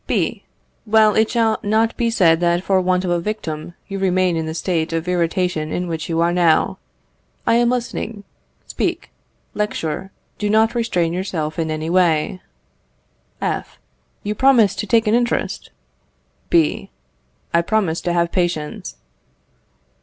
B. Well, it shall not be said that for want of a victim you remain in the state of irritation in which you now are. I am listening; speak, lecture, do not restrain yourself in any way. F. You promise to take an interest? B. I promise to have patience.